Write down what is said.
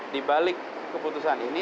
di balik keputusan ini